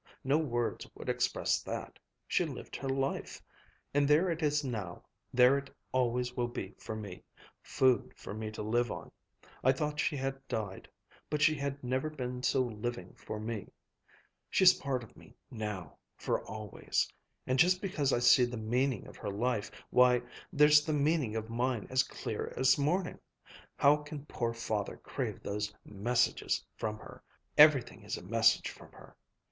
No words would express that. She lived her life. And there it is now, there it always will be for me, food for me to live on. I thought she had died. But she has never been so living for me. She's part of me now, for always. And just because I see the meaning of her life, why, there's the meaning of mine as clear as morning. How can poor Father crave those 'messages' from her! Everything is a message from her.